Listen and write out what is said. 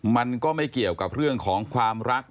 มันก็ไม่เกี่ยวกับเรื่องของความรัก